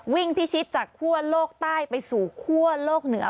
พิชิตจากคั่วโลกใต้ไปสู่คั่วโลกเหนือ